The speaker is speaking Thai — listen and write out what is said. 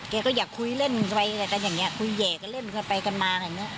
แกก็อยากคุยเล่นไปกันอย่างเงี้ยคุยแหย่กันเล่นไปกันมาอย่างเงี้ย